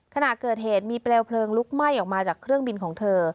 ขณะเกิดเหตุมีเปลวเพลิงลุกไหม้ออกมาจากเครื่องบินของเธอ